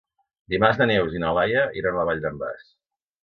Dimarts na Neus i na Laia iran a la Vall d'en Bas.